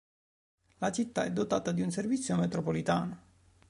La città è dotata di un servizio metropolitano.